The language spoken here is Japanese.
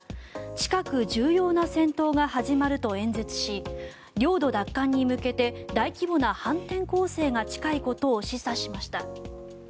ウクライナのゼレンスキー大統領が近く重要な戦闘が始まると演説し領土奪還に向けて大規模な反転攻勢が近いことを示唆しました。